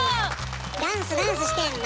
ダンスダンスしてんの？